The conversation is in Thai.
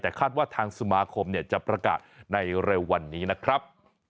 แต่คาดว่าทางสมาคมจะประกาศในเร็ววันนี้นะครับ